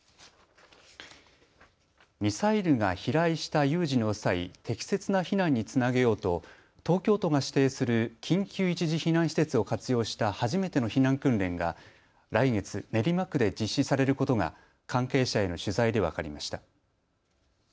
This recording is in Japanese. ミサイルが飛来した有事の際適切な避難につなげようと東京都が指定する緊急一時避難施設を活用した初めての避難訓練が来月、練馬区で実施されることが関係者への取材で分かりました。